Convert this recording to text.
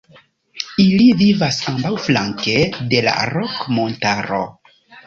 Ili vivas ambaŭflanke de la Rok-Montaro.